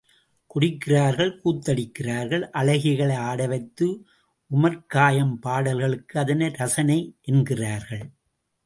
குடிக்கிறார்கள் கூத்தடிக்கிறார்கள் அழகிகளை ஆட வைத்து உமர்கயாம் பாடல்களுக்கு அதனை ரசனை என்கிறார்கள்.